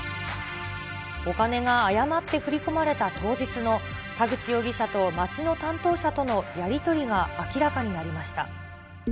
お金が誤って振り込まれた当日の田口容疑者と町の担当者とのやり取りが明らかになりました。